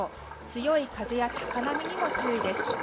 強い風や高波にも注意です。